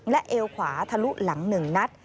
และเอวขวาทะลุหลัง๑นัด